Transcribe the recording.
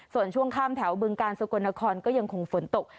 ส่วนช่วงข้ามแถวบึงกาลสกลนครก็ยังคงฝนตก